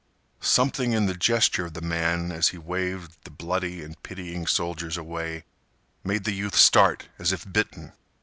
Something in the gesture of the man as he waved the bloody and pitying soldiers away made the youth start as if bitten.